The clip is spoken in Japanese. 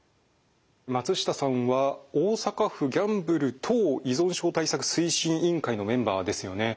松下さんは大阪府ギャンブル等依存症対策推進委員会のメンバーですよね。